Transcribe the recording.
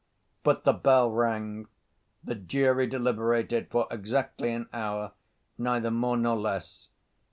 But the bell rang. The jury deliberated for exactly an hour, neither more nor less.